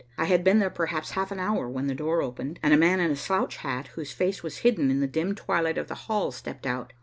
I had been there perhaps half an hour when the door opened, and a man in a slouch hat, whose face was hidden in the dim twilight of the hall, stepped out.